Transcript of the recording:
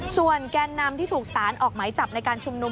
ส่วนแกนนำที่ถูกสารออกหมายจับในการชุมนุม